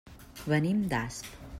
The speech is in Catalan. Venim d'Asp.